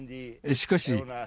しかし